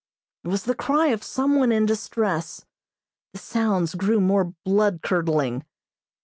It was the cry of some one in distress. The sounds grew more blood curdling.